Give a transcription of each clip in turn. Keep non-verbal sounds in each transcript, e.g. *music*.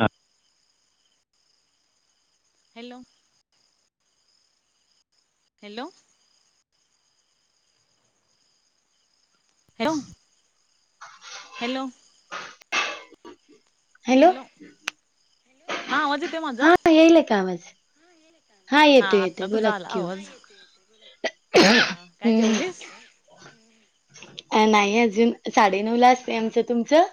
हा. Hello! Hello! Hello hello! Hello! हा आवाज येतोय माझा हा येल का आवाज? हा येतो आत्ता येते बोला तुझा आला किू आवाज हा काय हम् जेवलीस अ नाही अजून साडेनऊ ला असते आमचं तुमचं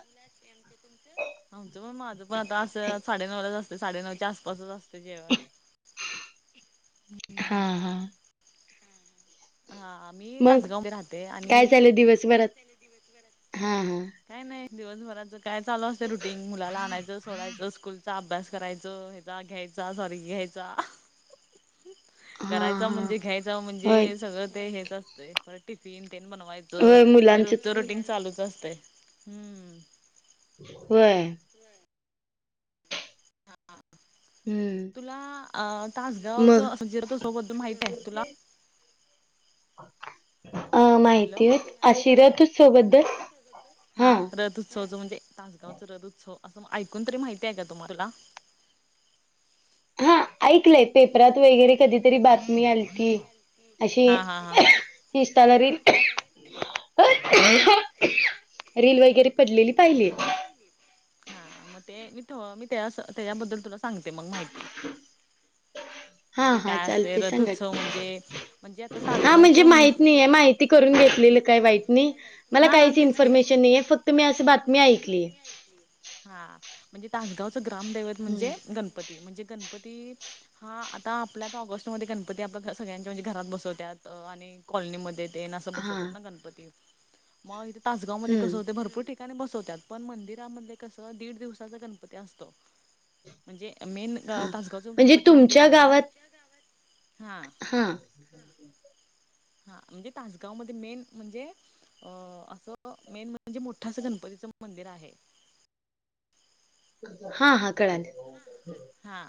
आमचं पण माझं पण आता हा असं साडेनऊलाच असते साडेनऊच्या आसपासच असतते. जेवण ह हा हा हा आम्ही मग तासगावध्येे राहते काय आणि चालू दिवसभरात हा हा काय नाही दिवसभराचं काय चालू असते रुटीन मुलाला आणायचं सोडायचं स्कूलचा अभ्यास करायचं. जा घ्यायचा सॉरी घ्यायचा. हा करायच हा म्हणजे घ्यायच म्हणजे होय सगळं ते हेच असतंय पर टिफिन ते बनवायच. त होय हे मुलांच रोजत होय रोटीन चालूच असते हम्म होय. हा हम्म तुला अ तासगावच मग असं जीरथ सोबद्दल माहित आहे तुला. *unintelligible* अ हॅलो माहिती हो आशिरा तूच सोबद्दल हा तर दूधव म्हजे तासगावच रद उत्सव असं ऐकून तरी माहिती आहे का तुम्हाला हा ऐकलंय पेपरात वगैरे कधीतरी बातमी आली क अशी हा हा हा. इशतधारी. रेल वगैरे पडलेली पाहिले. हा मग ते मी मी त्या त्याच्याबद्दल तुला सांगते मग माहिती. हा म्हणजे हा काय असते चालते सांगा रथोत्सव क म्हणजे म्हणजे आता हा म्हणजे तासगावचं नाहीये माहित नाही आहे माहिती. ून घेतले काही वाईट नाही मला हा काहीच तेच की इन्फॉर्मेशन नाहीे फक्त त मी अशी बातमी ऐकली. हा म्हणजे तासगावचं ग्रामदैवत हं. म्हणजे गणपती म्हणजे गणपती हा आता आपल्या तर ऑगस्टमध्येध्ये गणपती आपल्या सगळ्यांच्या म्हणजे घरात बसवतात आणि कॉलनीमध्ये न असं बसवत हां. ना गणपती मग इथे तासगाव मध्ये कसं हं. होते भरपूर टिक ठिका बसवत पण मंदिराध स दीड दिवसाचा गणपती असतो म्हणजे मेन हां. तासगावच म्हणजे गणपती मंदिर तुमच्या आहे ना गावात हां हां. *unintelligible* हा म्हणजे तासगाव मध्ये मेन म्हणजे अ असं मेन म्हणजे मोठं असं गणपतीचं मंदिर आहे. हा हा कळाल. हा.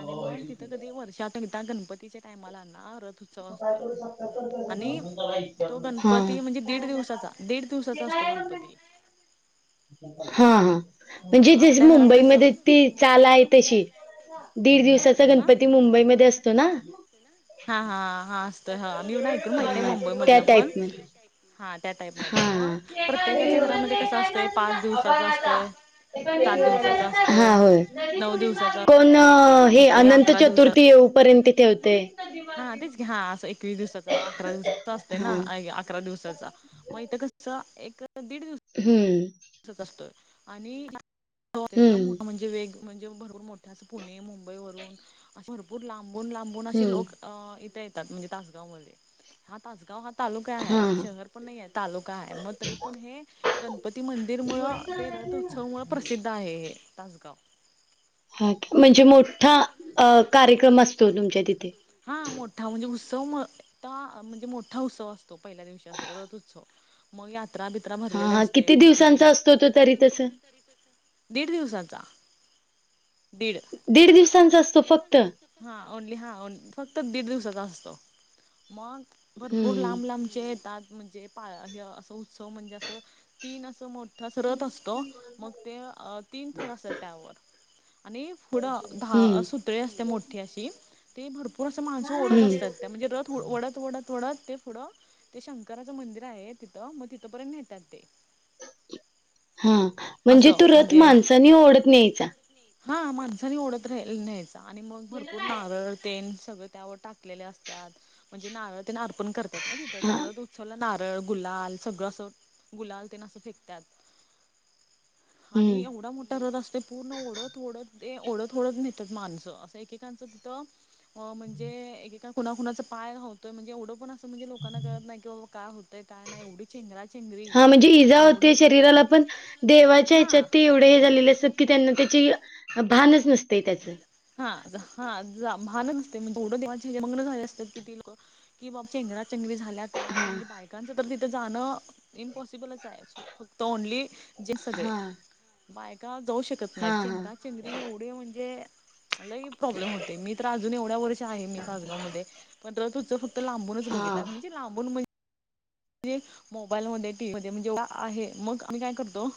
आणि मग तिथं कधी वर्ष *unintelligible* गणपतीच्या टाइमाला ना, रथ उत्सव असतोय. आणि तो हां. गणपती म्हणजे दीड दिवसाचा. दीड दिवसाचा असतो गणपती. हा, हा. हा म्हणजे जसं आपल्या घरात कसं मुंबईमध्ये ती चालाय तशी. दीड दिवसाचा हा गणपती मुंबईमध्ये असतो ना. हा, हा, हा. असतय. हा मी ऐकून माहित आहे, हां. मुंबई त्या मधलं पण टाईपमध्ये. हा त्या टाईपमध्ये. मग हां. प्रत्येकाच्या घरामध्ये कस असतंय, पाच दिवसाचा असतोय सात दिवसाचा असतोय. हां, नऊ दिवसाचा पण हे असतोय अनंत अकरा दिवसाचा चतुर्थी येऊ पर्यंत, ठेवते. हा तेच की. हा असं एकवीस दिवसाचा, अकरा दिवसाचा असतय ना. हां. अकरा दिवसाचा. मग इथं कसं, एक दीड दिवस हम्म. साचा असतोय. आणि तो एकदम हं, मोठ म्हणजे वेग म्हणजे भरपूर मोठ्या असं, पुणे -मुंबईवरून असं, भरपूर लांबून -लांबून असे हं. लोक अं, इथं येतात. म्हणजे तासगाव मध्ये. हा तासगाव हात तालुका हाय. हां, शहर पण नाहीे. तालुका हाय. मग तरी पण हे, गणपती मंदिरमुळं, ते रथ उत्सवमुळ, प्रसिद्ध आहे हे, तासगाव. ह का, म्हणजे मोठा. अ कार्यक्रम असतो, तुमच्या तिथे. हा मोठा म्हणजे, उत्सव म ठा, म्हणजे मोठा उत्सव असतो, पहिल्या दिवसाचा असं रथ उत्सव. मग यात्रा बी हा, हा. किती दिवसांचा असतो तो, तरी तसं. दीड दिवसाचा. दीड. दीड दिवसांचा असतो फक्त. हा ओनली हा ओन, फक्त दीड- दिवसाचा असतो. मग भरपूर हं, लांब लांबचे येतात. म्हणजे पा हे असं, उत्सव म्हणजे असं, तीन असं मो ठं अस रथ असतो. मग ते, तीन थर असतात त्यावर. आणि फूढं हा, हं, सुटळे असते मोठठी अशी. ते भरपूर असं माणसं ओढत हं. असतात. त्या म्हणजे रथ ओढत - ओढत -ओढत ते पुढं ते शंकराचं मंदिर आहे, तिथं. मग तिथपर्यंत नेतात ते. हा. म्हणजे असं तो रथ, म्हणजे माणसानी ओढत न्यायचा. हा माणसानी ओढत राही, न्यायचा. आणि मग भरपूर नारळ तेन सगळं त्यावर टाकलेले असतात. म्हणजे नारळ तेन अर्पण करत्यात ना, तिथं. त्या हां, रथ उत् सोला नारळ, गुलाल, सगळं असं, गुलाल ते न असं फेकत्यात. आणि हं. एवढा मोठा रद असतय, पूर्ण ओढत- ओढत ते ओढत थोडंच नेत माणसं. असं एकेकांचं तिथं म्हणजे, एकेका कुणा - कुणाचा पाय हो, म्हणजे एवढं पण असं म्हणजे लोकांना कळत नाही की, बाबा का होतय काय नाही. एवढी चेंगरा -चेंगरी हां, म्हणजे इजा होते एवढी शरीराला पण *unintelligible* देवाच्या ह्याच्यात ते एवढे हे झालेले असतात की, त्यांना त्याची, भानच नसतय त्याचं. हा, जा हा. जा भानच नसतय. म्हणजे एवढं देवाचेे हे मग्न झाले असतात की, ती लोकं. कि बा चेंगरा -चेंगरी झाल्या काय यार हां, म्हणजे, बायकांचं तर तिथे जाणं, इम्पॉसिबलचाय. फक्त ओनली जेंट्स सगळे. हां, बायका जाऊ शकत नाही. हां, हां, चेंगरा- चेंगरी एवढे म्हणजे लई प्रॉब्लेम होतय. मी तर अजून एवढ्या वर्ष आहे, मी सासगाव मध्ये पण रथ उत्सव फक्त लांबूनच बघितला. हां. म्हणजे लांबून म्हण म्हणजे मोबाईल मध्ये, टी व्ही मध्ये. म्हणजे *unintelligible* आहे मग आम्ही काय करतो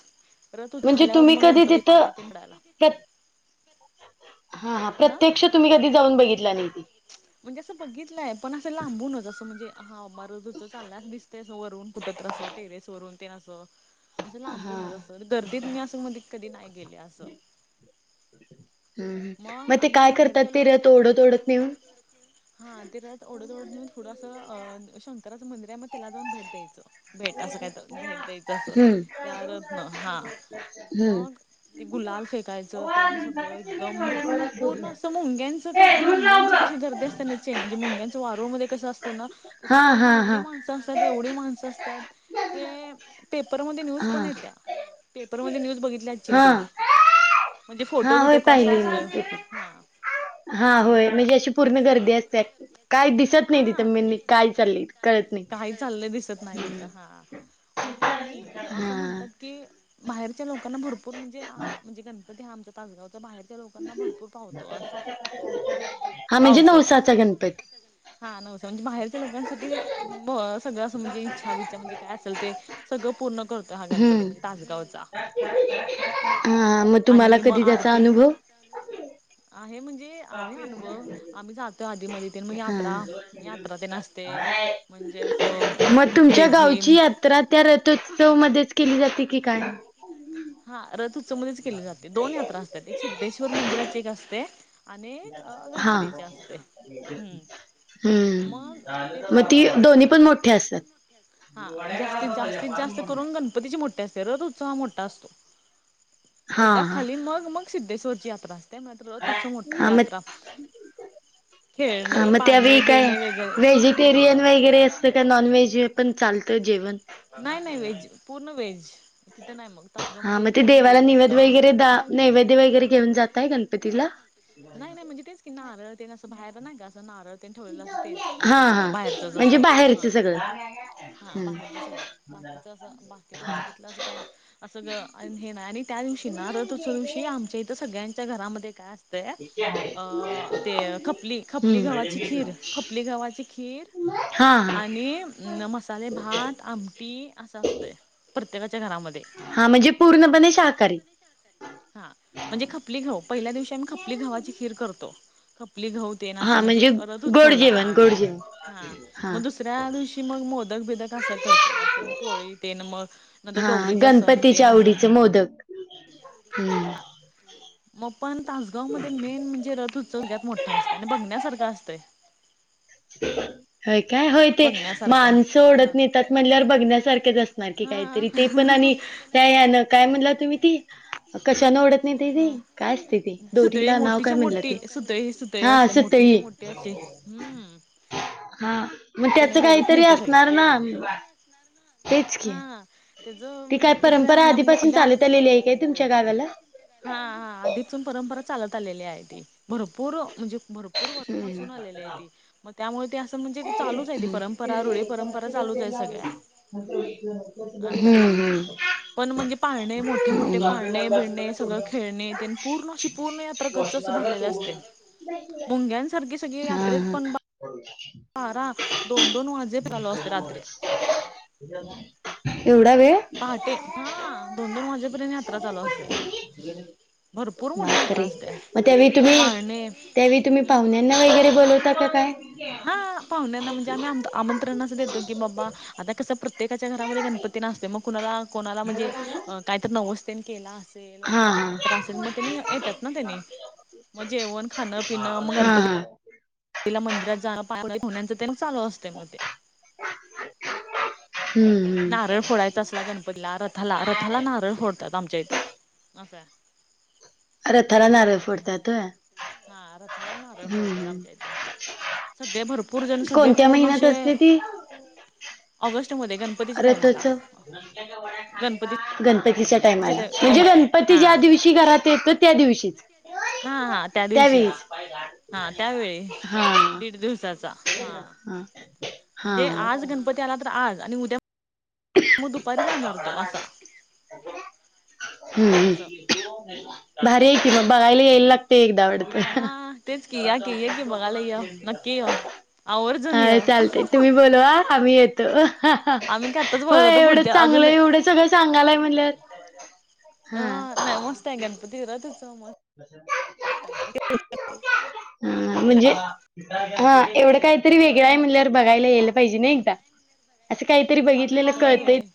रथ ऊठ झाल्यावर मग, गणपती पाहाया ते पडायला. प्रत्य, हा, हा. प्रत्यक्ष तुम्ही कधी जाऊन बघितला नाही ती. *unintelligible* म्हणजे असं बघितलाय. पण असं लांबूनच. असं म्हणजे हा रथ उत्सव चाललाय असं दिसतयच. वरून, कुठ तर अस. टेरेस वरून ते न असं. असं हा लांबूनच असं दर्दीत मी असं मध कधी नाही गेले असं. हम्म मग ते आणि काय बाहेरच्या करतात लो ते रत ओढत ओढत नेऊन. हा ते रत ओढत ओढत नेऊन पुढं असं अ शंकराचं मंदिर आहे मग त्याला जाऊन भेट द्यायचं. भेट असं काही तर भेट द्यायचं असं हम्म त्यावरच ना हा हम्म मग ते गुलाल फेकायचं ते सगळं एकदम. पूर्ण असं मुंग्यांचं कसं मुंग्यांचे कश गर्दी असनाे मुंग्यांच वारू मध्ये कं असत ना तसं हा पूर्ण हा एवढी हा माण असतात एवढी माणसं असतात ते पेपरमध्ये न्यूज हा पण य त्या पेपरमध्ये न्यूज बघितल्याशील हा तू म्हणजे फोटो हा बिटो होय कसा पाहिली मी असतोय ते पण. हा. हा होय म्हणजे अशी पूर्ण तसं गर्दी असते काय दिसत नाही हा तिथं मी काय चालली. काही चाललं दिसत नाही तिथं हा. मग ते आणि हा असं म्हणतात की बाहेरच्या लोकांना भरपूर म्हणजे ह म्हणजे गण ते आमच्या तासगावच्या बाहेर लोकांना भरपूर पाहतो अस हा म्हणजे पाहतोय. नवसाचा गणपती हा नवस म्हणजे बाहेरच्या लोकांसाठी सगळं असं म्हणजे इच्छा बछ म्हणजे काय असेल ते सगळं. पूर्ण करतो हा गणपती म्हणजे हम्म तासगावचा हा मग तुम्हाला आणि मग कधी त्याचा आरती अनुभव आहे म्हणजे ते आहे अनुभव आम्ही जातोय आधी म ते मग यात्रा यात्रा ते नसते. हा म्हणजे असं मग तुमच्या लेझिम गावची यात्रा त्या रथोत्सव मध्येच केली जाते की काय? हा रथ उत्सव मध्येच केली जाते दोन यात्रा असतात एक सिद्धेश्वर मंदिराची एक असते. आणि एक हा गणपतीची असते हम्म. मग ते कसं मग ती होतंय दोन्ही पण मोठे असतात. हा जास्तीत जास्तीत जास्त करून गणपतीची मोठठी असते रज उत्सह मोठा असतो. हा त्याच्या हा. खाली मग मग सिद्धेश्वरची यात्रा असते म्ह तुस मोठा यात्रा ह खेळणं मग पाळणे त्यावेही काय बिळणे वगैरे हम्म व्हेजिटेरियन वगैरे का नॉनव्हेज हे पण चालतं जेवण नाही नाही व्हेज पूर्ण व्हेज तिथं नाही मग हा तासगावमध्ये मग ते पूर्ण देवाला व्हेज असतं. नैवेद वगैरे द नैवेद्य वगैरे घेऊन जातय गणपतीला नाही नाही म्हणजे तेच की नारळ ये ना असं बाहेर नाही का असं नारळ ते ठेवलेलं असं तेच हा असं हा. सगळं बाहेरच ज म्हणजे असं बाहेरचं हा सगळं. हा हम्म. बाहेरच सगळं. बाकीच असं बाकीच असं आतलं असं काय असं ग हे नाही आणि त्या दिवशी ना रथच्या दिवशी आमच्या तर सगळ्यांच्या घरामध्ये काय असतंय. अ ते खपली खपली गववाची हम्म. खीर खपली गावची खीर हा हा. आणि अ मसाले भात आमटी असं असत प्रत्येकाच्या घरामध्ये हा म्हणजे पूर्णपणे शाकाहारी हा म्हणजे खपली घाऊ पहिल्या दिवशी आम्ही खपली घावाची खीर करतो खपली घाऊ. ते ना असं हा म्हणजे रद उत् गोड चवला. जेवण गोड जेवण. हा मग दुसऱ्या दिवशी मग मोदक भेदक असं करतोय असं मग पोळी तेन मग न तर हा दोवररीचा सण ते गणपतीच्या ना सण आवडीचे मोदक हम्म हां. मग पण तासगाव मध्ये मेन म्हणजे रथ उत्सव यात मोठा असत आणि बघण्यासारखा असतंय. ह. हय काय होय ते बघण्यासारखा माणसं ओढत हा नेतात म्हणल्यार बघण्यासारखेच असणार की काय? हा तरी ते पण आणि त्या यान काय म्हणलं तुम्ही ती कशानवडत हा सुतळी नाव काय मोठीच्या म्हणलं मोठी ते सुतळी सुतळी हा असते सुतळी मोठीच्या मोठी अशी हम्. हा मग त्याच काहीतरी नाही त्या असणार ना. तेच की हा त्याच ती काय म्हणजे काहीतरी परंपरा असणार म्हणजे आधीपासून पहिला चालत आलेली आहे काय तुमच्या गावाला हा हा आधीतून परंपरा चालत आलेली आहे ती भरपूर म्हणजे भरपूर भरपूर हम्म वर्षापासून आलेली आहे ती मग त्यामुळे ते असं म्हणजे चालूच आहे ती हम्म परंपरा रुळी परंपरा चालूच आहे सगळ्या हम्म असं आहे हम्म पण म्हणजे पाहणे मोठे मोठे पाहणे भिरणे हा खेळ पूर्ण पूर्ण्रच भरलेले असते सगळी यात्रेत हम् पण ह बारा दोन दोन वाजे फलो असते रात्री एवढा वेळ पहाटे हा दोन दोन वाजेपर्यंत यात्रा चालू असते भरपूर बा मोठी यात्रा असते मग त्या तुम्ही पाळणे त्या तुम्ही हम् पाहण्या त्यांना वगैरे बोलवता काय हा पाहुण्याना म्हणजे आम्ही आम आमंत्रणाच देतो की बाबा आता कस प्रत प्रत्येकाच्या घरामध्ये गणपती न असते मग कुणाला कोणाला म्हणजे काहीत नवस्तेने केला अस हा बाबा काहीत असेल मग त्यांनी येतात ना त्यांनी मग जेवण खाणं हा पिण मग हा गणपती हा तिला मंदिरात जा पाेण्याचं ते ल असते मग ते हम्म हम्म नारळ फोडायचा असला गणपतीला रथाला रथाला नारळ फोडतात आमच्या इथं आसाा अरे थरा नार फडतयेतय हा रथाला नार्या फोडतात आमच्या इथं सगळे भरपूर जण सगळे कोणत्या पूर्ण महिन्यात अशे असते ती ऑगस्ट मध्ये गण रथोचव गणपतीचे गणपती ला म्हणजे गणपती हा ज्या दिवशी घरात येतो त्या दिवशी हा हा त्या दिवशीच हा त्यावेळी हा दीड दिवसाचा हा हा म्हणजे आज गणपती आला तर आज आणि उद्या मग दुपारी जाणार तो असा. हम् असं भारी आहे की मग बघायला यायला लागते एकदा वड हा तेच की या क ये की बघायला या नक्की या. अ चालते तुम्ही बोलवा आम्ही येतो. आम्ही का आत्ताच हो बोलत होतो एवढं पुढच्या चांगलं अजून एवढ अ सगळं सांगालय म्हणल. हा. नाही मस्त आहे गणपतीरा तस मस्त मस्त आहे. हा. म्हणजे हा एवढं काहीतरी वेगळं आहे म्हणल्यावर बघायला यायलं पाहिजे ना एकदा. असं काहीतरी बघित होय होय.